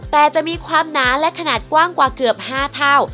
แต่จะมีความหนาและขนาดกว้างกว่าเกือบ๕เท่า